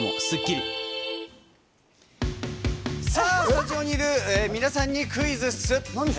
さあスタジオにいる皆さんにクイズッス！